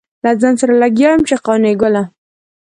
له ځان سره لګيا يم چې قانع ګله.